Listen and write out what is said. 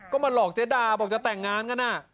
ก็มาหลอกเจ๊ดาบอกจะแต่งงานกัน